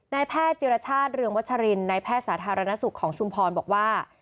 แพทย์จิรชาติเรืองวัชรินนายแพทย์สาธารณสุขของชุมพรบอกว่า